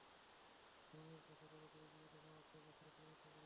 ধর্মের নামে তারা যুবক-যুবতীদের মারাত্মক অস্ত্রে পরিণত করছে।